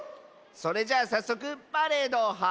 それじゃあさっそくパレードをはじめよう！